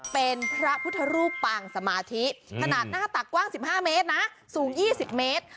เป็นพระพุทธรูปปางสมาธิขนาดหน้าตักกว้าง๑๕เมตรนะสูง๒๐เมตร